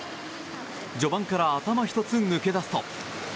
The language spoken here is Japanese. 序盤から頭一つ抜け出すと。